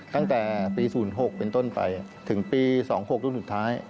ตั้งแต่ปี๒๐๐๖ต้นไปถึงปี๒๐๐๖ต้นมาได้